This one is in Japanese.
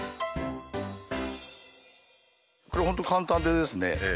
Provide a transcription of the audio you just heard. これ本当簡単でですね